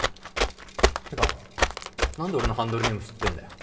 てか何で俺のハンドルネーム知ってんだよ？